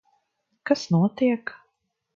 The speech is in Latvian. Kas notiek?